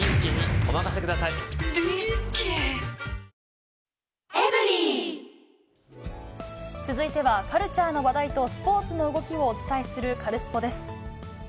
三菱電機続いてはカルチャーの話題とスポーツの動きをお伝えするカルスポっ！です。